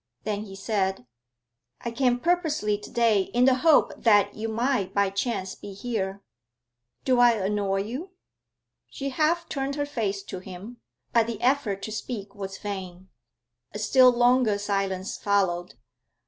Then he said: 'I came purposely to day, in the hope that you might by chance be here. Do I annoy you?' She half turned her face to him, but the effort to speak was vain. A still longer silence followed.